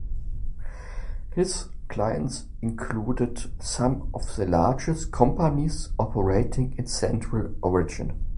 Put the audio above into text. His clients included some of the largest companies operating in central Oregon.